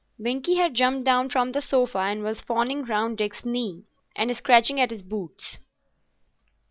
Binkie had jumped down from the sofa and was fawning round Dick's knee, and scratching at his boots.